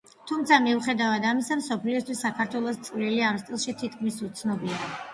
თუმცა მიუხედავად ამისა მსოფლიოსთვის საქართველოს წვლილი ამ სტილში თითქმის უცნობია.